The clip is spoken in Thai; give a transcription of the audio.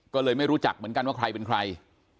ก็เลยไม่รู้จักเหมือนกันว่าใครเป็นใคร